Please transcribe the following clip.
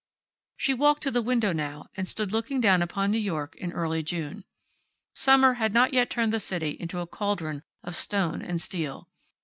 She walked to the window, now, and stood looking down upon New York in early June. Summer had not yet turned the city into a cauldron of stone and steel.